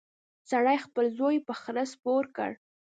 سړي خپل زوی په خره سپور کړ.